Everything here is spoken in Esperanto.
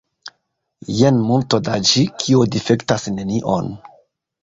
Jen multo da ĝi, kio difektas nenion.